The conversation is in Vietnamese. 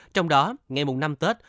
trong đó ngày một năm tết